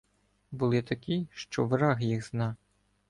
Були такі, що враг їх зна.